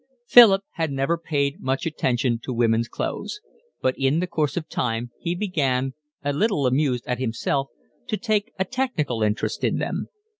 Philip had never paid much attention to women's clothes, but in course of time he began, a little amused at himself, to take a technical interest in them.